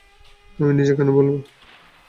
আমি নিজে কেন বলবো?